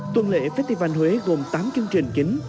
tuần lễ festival huế gồm tám chương trình chính